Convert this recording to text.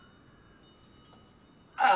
ああ。